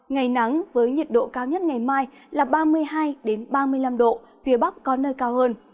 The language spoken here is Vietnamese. ngày nắng với nhiệt độ cao nhất ngày mai là ba mươi hai ba mươi năm độ phía bắc có nơi cao hơn